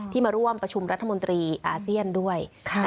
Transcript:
มาร่วมประชุมรัฐมนตรีอาเซียนด้วย